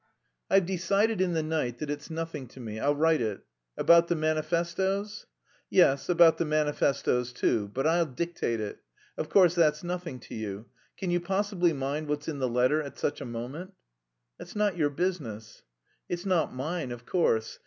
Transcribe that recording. "I've decided in the night that it's nothing to me. I'll write it. About the manifestoes?" "Yes, about the manifestoes too. But I'll dictate it. Of course, that's nothing to you. Can you possibly mind what's in the letter at such a moment?" "That's not your business." "It's not mine, of course.